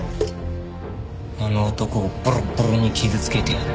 あの男をボロッボロに傷つけてやれ。